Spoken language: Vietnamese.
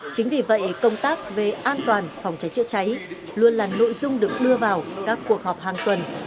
chính vì vậy công tác về an toàn phòng cháy chữa cháy luôn là nội dung được đưa vào các cuộc họp hàng tuần